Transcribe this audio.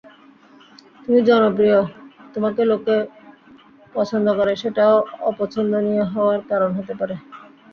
তুমি জনপ্রিয়, তোমাকে লোকে পছন্দ করে, সেটাও অপছন্দনীয় হওয়ার কারণ হতে পারে।